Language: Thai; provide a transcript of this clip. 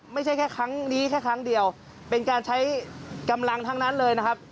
ไม่ใช่แค่ครั้งนี้แค่ครั้งเดียวเป็นการใช้กำลังทั้งนั้นเลยนะครับ